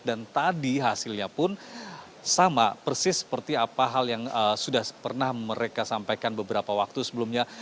dan tadi hasilnya pun sama persis seperti apa hal yang sudah pernah mereka sampaikan beberapa waktu sebelumnya